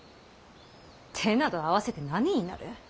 手など合わせて何になる。